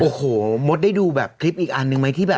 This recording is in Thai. โอ้โหมดได้ดูแบบคลิปอีกอันนึงไหมที่แบบ